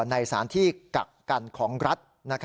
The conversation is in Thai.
ในสารที่กักกันของรัฐ